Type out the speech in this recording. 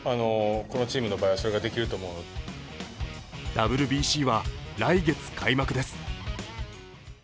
ＷＢＣは来月開幕です。